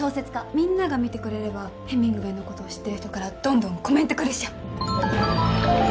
みんなが見てくれればヘミングウェイの事を知ってる人からどんどんコメント来るっしょ！